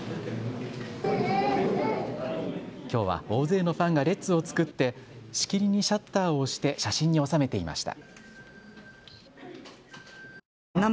きょうは大勢のファンが列を作ってしきりにシャッターを押して写真に収めていました。